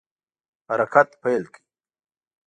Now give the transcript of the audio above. حرکت پیل کړ.